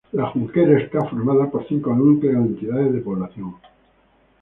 La Junquera está formado por cinco núcleos o entidades de población.